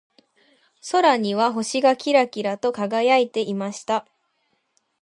空には星がキラキラと輝いていました。